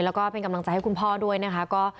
แล้วก็เป็นกำลังใจให้คุณพ่อด้วยนะคะ